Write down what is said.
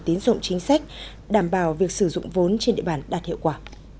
tiến dụng chính sách đảm bảo việc sử dụng vốn trên địa bàn đạt hiệu quả